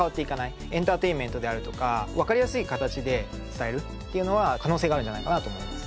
エンターテインメントであるとかわかりやすい形で伝えるっていうのは可能性があるんじゃないかなと思います。